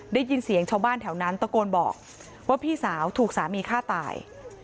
ได้ยินเสียงชาวบ้านแถวนั้นตะโกนบอกว่าพี่สาวถูกสามีฆ่าตาย